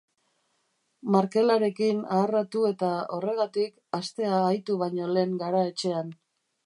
Markelarekin aharratu eta, horregatik, astea ahitu baino lehen gara etxean.